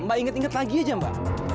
mbak ingat ingat lagi aja mbak